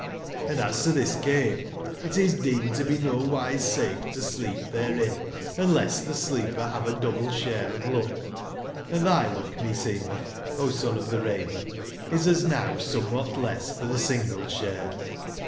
Hnd as to this cave, it is deemed to be nowise safe to sleep therein, unless the sleeper have a double share of luck j(?Hnd thy luck, meseemeth, O Son of the Raven, is as now somewhat less than a single share.